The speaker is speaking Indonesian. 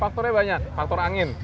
faktornya banyak faktor angin